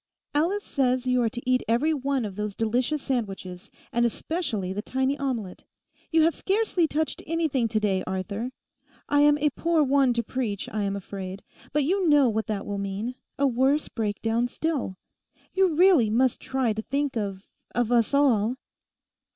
'Alice says you are to eat every one of those delicious sandwiches, and especially the tiny omelette. You have scarcely touched anything to day, Arthur. I am a poor one to preach, I am afraid; but you know what that will mean—a worse breakdown still. You really must try to think of—of us all.